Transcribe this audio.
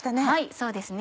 そうですね